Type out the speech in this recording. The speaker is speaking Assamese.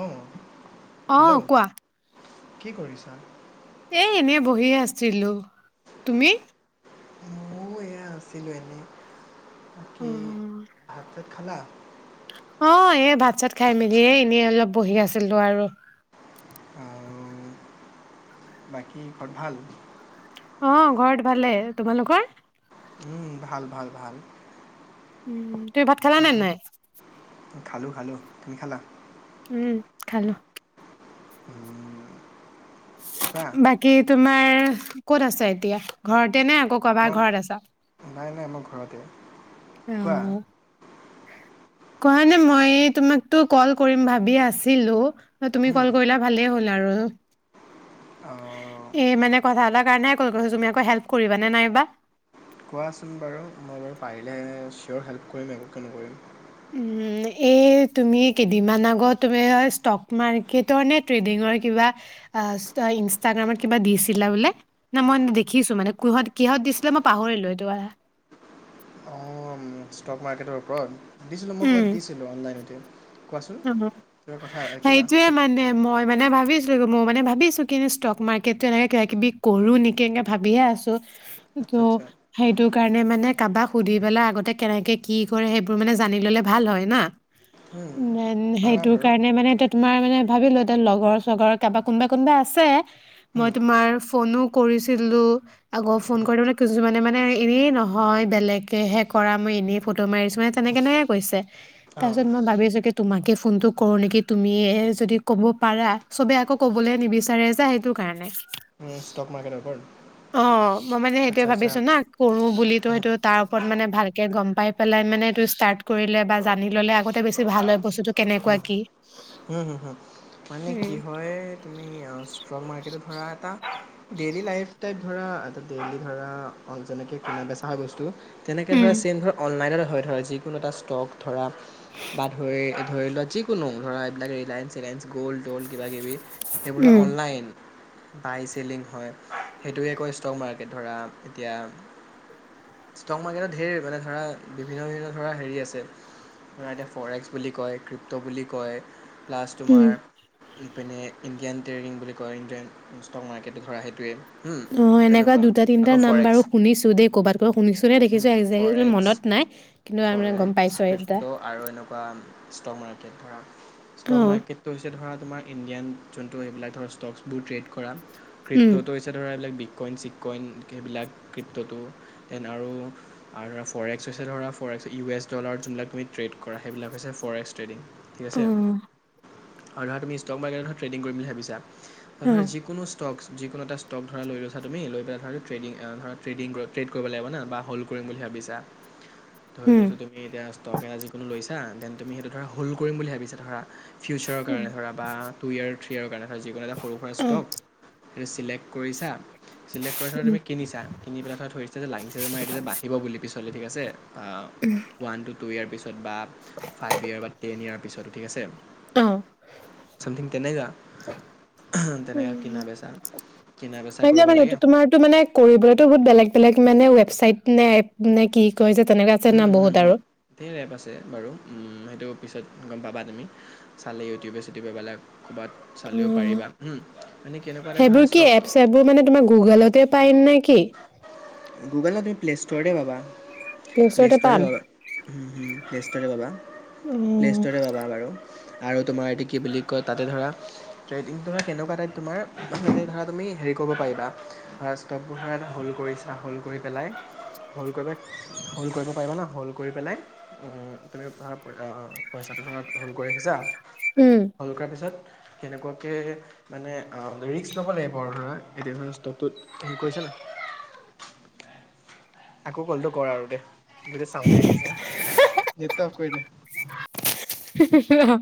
অহ অ কোৱা কি কৰিছা এ এনে বহিয়ে আছিলো, তুমি মইও এয়া আছিলো এনেই কি, অ', ভাতত খালা অ এই ভাত চাত খাই মেলি এ এনেই অলপ বহি আছিলো আৰু অহ, বাকী ঘৰত ভাল অহ ঘৰত ভালে, তোমালোকৰ উম, ভাল ভাল ভাল উম তুমি ভাত খালা নে নাই খালোঁ খালোঁ তুমি খালা উম খালো [unintelligible] কোৱা বাকী তোমাৰ ক'ত আছা এতিয়া, ঘৰত তেনে আকৌ মই কাবাৰ ঘৰত আছা নাই [unintelligible] কোৱা অ', কোৱা নে মই, তোমাকতো কল কৰিম ভাবি আছিলো তুমি হুম, কল কৰিলা ভালে হ'ল [unintelligible] অঁ এই মানে কথা এতাৰ কাৰণেহে কল কৰিছো তুমি আকৌ হেল্প কৰিবা নে নাইবা কোৱাচোন বাৰু মই বাৰু পাৰিলেহে চিয়'ৰ হেল্প কৰিম আকৌ কিয় নকৰিম উম, এই তুমি কেইদিনমান আগত তুমি ষ্টক মাৰ্কেটৰ নে ট্ৰেডিংৰ কিবা আহ, ইনষ্টাগ্ৰামত কিবা দিছিলা বোলে, না মই দেখিছো মানে, কিহত দিছিলা মই পাহৰিলো সেইটো কথা অঁ ষ্টক -মাৰ্কেটৰ ওপৰত দিছিলোঁ মই ক'ৰবাত দিছিলোঁ অনলাইনতে। কোৱাচোন অ কিবা কথা কিবা সেইটোয়ে মানে মই মানে ভাবিছোঁ। মই মানে ভাবিছোঁ কিন্তু ষ্টক মাৰ্কেটতটো এনেকে কিবাকিবি কৰো নেকি এনেকে ভাবিহে আছোঁ। ত', আচ্ছা আচ্ছা সেইটো কাৰণে মানে, কাবাক সুধি পেলাই আগতে কেনেকে কি কৰে সেইবোৰ মানে জানি ললে ভাল হয় না উম, উ পাৰা সেইটো বাৰু কাৰণে মানে এ তোমাৰ মানে। ভাবিলো এতিয়া লগৰ -চগৰ কাৰবা কোনোবা- কোনোবা আছে। উম, মই তোমাৰ ফনো কৰিছিলোঁ আগৌ ফোন কৰি ন কিছু মানে ', -মানে এনেই নহয় বেলেগকেহে কৰা মই এনেই ফটো মাৰিছোঁ, মানে তেনেই কেনেকে কৰিছে। অ', তাৰপিছত মই ভাবি আছোঁ। তোমাকে ফোনতটো কৰো নেকি তুমি যদি ক'ব পাৰা চবে আকৌ কবলৈ নিবিচাৰে যে সেইটো কাৰণে উ ষ্টক মাৰ্কেটৰ ওপৰত অ মই মানে আচ্ছা সেইটোয়ে আচ্ছা ভাবিছোঁ না কৰো বুলি সেইটো তাৰ ওপৰত মানে ভালকে গম। পাই -পেলাই মানে এইটো ষ্টাৰ্ট কৰিলে বা জানি ল'লে আগতে বেছি ভাল হয়, বস্তুটো কেনেকুৱা হম্ কি ', হু -হু -হু মানে উম কি হয় তুমি ষ্ট্ৰক-মাক, সেইটো ধৰা এটা ডেইলি লাইফ টাইপ ধৰা এটা ডেইলি ধৰা যেনেকৈ কিনা বেচা হয় বস্তু তেনেকে উম, ধৰে চেইন ধৰ অনলাইনে হয় ধ হয় যিকোনো এটা ষ্টক। ধৰা বা ধৰি ধৰি লোৱা যিকোনো ধৰা এইবিলাক ৰিলায়ন্স চিলাইঞ্চ গ'ল্ড'ল কিব কিবি এইবোৰ উম, অনলাইন। বাই চেলিং হয়, সেইটোৱে কয় ষ্টক- মাৰ্কেট ধৰা, এতিয়া ষ্টক- মাৰ্কেটত ধেৰ মানে ধৰা বিভিন্ন- বিভিন্ন ধৰা হেৰি আছে ধৰা এতিয়া ফৰেক্স বুলি কয়। কৃপ্ত বুলি কয় প্লাছ উম, তোমাৰ ইপিনে ইণ্ডিয়ান ট্ৰেৰিং বুলি কয় ইণ্ডিয়ান ষ্টক মাৰ্কেট ধৰা সেইটোৱে অ এনেকুৱা তেনেকুৱা দুটা তিনিটা আকৌ নাম বাৰু শুনিছোঁ দেই ক'বাত ক' শুনিছোনে দেখিছো ফৰেক্স একজেকটলি ফৰেক্স মনত নাই কিন্তু মানে গম ফৰেক্স পাইছ এই দুটা ধ ষ্টক অ', মাৰ্কেটটো হৈছে ধৰক তোমাৰ ইণ্ডিয়ান যোনটো এইবিলাক ধৰক ষ্টকচবোৰ ট্ৰেড কৰা উম, কৃত্যতটো হৈছে ধৰা এইবিলাক কইন চিক কইন সেইবিলাক কপটো দেন আৰু ফ'ৰে এক্স হৈছে ধৰা forex U S dollar যোনবিলাক তুমি ট্ৰেড কৰা সেইবিলাক হৈছে। ফৰেষ্ট টেডিং দিয়া আছে। অ', আৰু ধৰা তুমি ষ্টকবাৰকে ট্ৰেডিং কৰিম বুলি ভাবিছা। আৰু ধৰা অ', যিকোনো ষ্টকচ। যিকোনো এটা ষ্টক ধৰা লৈ লৈছা তুমি। লৈ পেলাই ধৰা ট্ৰেডিং ধৰা ট্ৰেডিং ট্ৰেড কৰিব লাগা বা হল্ কৰিম বুলি ভাবিছা ধৰি উম, লৈছো তুমি এতিয়া। লগ এটা যিকোনো লৈছা দেন। তুমি সেইটো ধৰা হ'ল্ কৰিম বুলি ভাবিছা ধৰা। ফিউচাৰৰ উম, কাৰণে ধ'ৰাব বা টু ইয়াৰ থ্ৰি। কিহৰ কৰণে। তাৰ যিকোনো এটা সৰু সুৰা অ', ষ্টক সেইটো চিলেক্ট কৰিছা? চিলেক্ট কৰি থোৱা উম, তুমি কিনিছা কিনি পেলাই ধৰা ধৰিছ যে লাগিছে তোমাৰ এইটো যে বাঢ়িব বুলি পিছলৈ ঠিক আছে। যে, অ ওৱান- টু, টু ইয়াৰ পিছত কিবা। চফফ ফাইভ ইয়েৰ বা টেন ইয়েৰ পিছত ঠিক আছে। অ। চামথিং তেনেযা অহম তেনেকে কিনা বেছা। সেইটোৱে মানে সেটো তোমাৰটো মানে কৰিবলৈতো বহুত বেলেগ-বেলেগ মানে ৱেবচাইট নাপ নে কি। কয় যে তেনেকুৱা আছে না উম, বহুত হম-হম আৰু ধেৰ এপ আছে বাৰু। উম। ত পিছত গম পাবা তুমি চালে ইউটিউবে চিউটিউবে পালে বাত চালেও অ', পাৰিবা হম মানে কেনেকুৱা এটা ধৰা সেইবোৰ ষ্টক। টাইম নে কি? গুগলত নহয় তুমি প্লেষ্ট'ৰতে পাবা। প্লে ষ্টৰতে প্লেষ্টৰতে পাম পাবা হম হম প্লেষ্টৰতে পাবা অ', প্লেষ্টৰতে পাবা বাৰু। আৰু তোমাৰ এটো কি বুলি কয় তাতে ধৰা ট্ৰেডিংটো ধৰা কেনেকুৱা টাইপ তোমাৰ ধৰা তুমি হেৰি কৰিব পাৰিবা অম ধৰা ষ্টকবোৰ ধৰা হ'ল্ড কৰিছে। হ'ল্ড কৰি পেলাই হ'ল্ড কৰিব হ'ল্ড কৰিব পাৰিবা ন হ'ল্ড কৰি পেলাই তুমি অমম পইচাটো ধৰাক হ'ল্ড কৰি ৰাখিছা আহিছা। উম, হ'ল কৰা পিছত। কেনেকুৱাকে মানে আ ৰিক্স ল'ব লাগিব আৰু ধৰা এতি ধৰ ষ্ট্ৰ'ক টোত। কৈছে নাই। আকৌ কলতো কৰ আৰু দে। বোলে চাউনে আহিছে। তিপটো অফ কৰি দে। হিহিহা